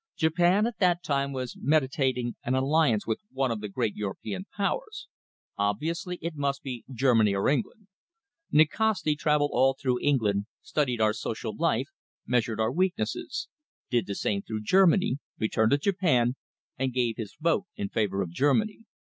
Japan at that time was meditating an alliance with one of the great European Powers. Obviously it must be Germany or England. Nikasti travelled all through England, studied our social life, measured our weaknesses; did the same through Germany, returned to Japan, and gave his vote in favour of Germany.